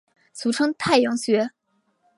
俗称太阳穴。